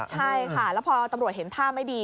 ใช่ค่ะแล้วพอตำรวจเห็นท่าไม่ดี